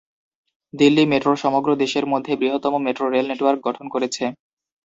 Delhi metro সমগ্র দেশের মধ্যে বৃহত্তম মেট্রো রেল নেটওয়ার্ক গঠন করেছে।